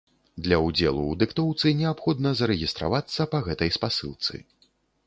Для ўдзелу ў дыктоўцы неабходна зарэгістравацца па гэтай спасылцы.